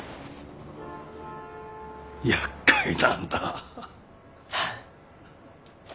やっかいなんだ。